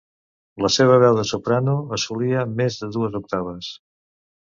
La seva veu de soprano assolia més de dues octaves.